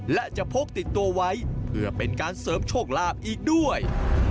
และจะพกติดตัวไว้เพื่อเป็นการเสริมโชคลาภอีกด้วย